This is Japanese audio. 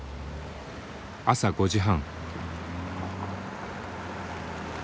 朝５時半。